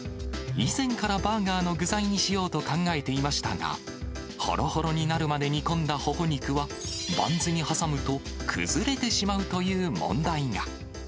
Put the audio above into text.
以前からバーガーの具材にしようと考えていましたが、ほろほろになるまで煮込んだホホ肉は、バンズに挟むと、崩れてしまうという問題が。